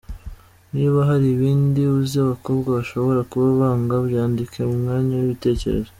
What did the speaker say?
Niba hari ibindi uzi abakobwa bashobora kuba banga byandike mu mwanya w’ibitekerezo.